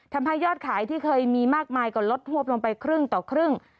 ทำให้ยอดขายที่เคยมีมากมายก็ลดหวบลงไปครึ่งต่อครึ่ง